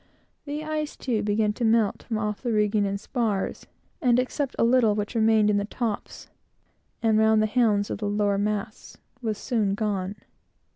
The ice, too, began to melt from off the rigging and spars, and, except a little which remained in the tops and round the hounds of the lower masts, was soon gone.